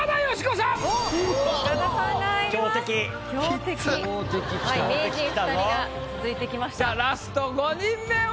さあラスト５人目は。